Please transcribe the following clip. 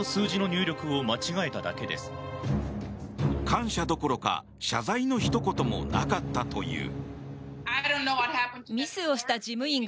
感謝どころか謝罪のひと言もなかったという。